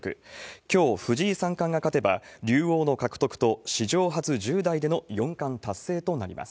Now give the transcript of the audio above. きょう、藤井三冠が勝てば竜王の獲得と、史上初１０代での四冠達成となります。